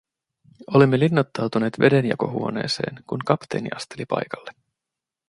Olimme linnoittautuneet vedenjakohuoneeseen, kun kapteeni asteli paikalle.